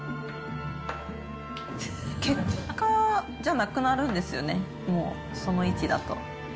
結果じゃなくなるんですよね、もう、その位置だと。